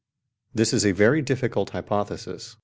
This is a very difficult hypothesis.